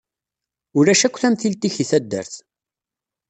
Ulac akk tamtilt-ik di taddart.